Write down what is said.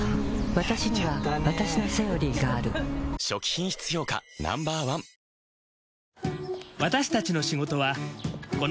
わたしにはわたしの「セオリー」がある初期品質評価Ｎｏ．１「ファンクロス」